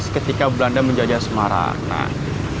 ketika belanda menjajah semarang